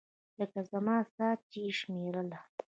لکه زما ساه چې يې شمېرله.